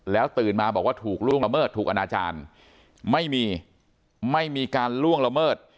ตื่นมาบอกว่าถูกล่วงละเมิดถูกอนาจารย์ไม่มีไม่มีการล่วงละเมิด